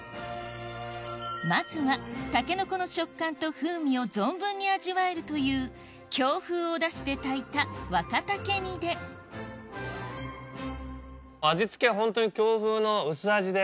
まずは竹の子の食感と風味を存分に味わえるという京風おだしで炊いた味付けはホントに京風の薄味で。